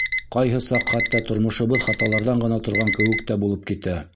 Ҡайһы саҡ хатта тормошобоҙ хаталарҙан ғына торған кеүек тә булып китә.